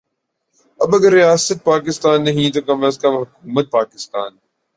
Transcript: اب اگر ریاست پاکستان نہیں تو کم از کم حکومت پاکستان